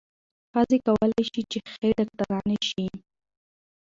ښځې کولای شي چې ښې ډاکټرانې شي.